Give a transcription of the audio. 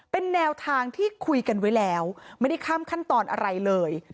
เป็นแนวทางที่คุยกันไว้แล้วไม่ได้ข้ามขั้นตอนอะไรเลย